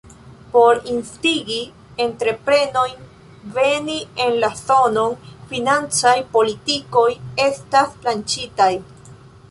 Por instigi entreprenojn veni en la zonon, financaj politikoj estas lanĉitaj.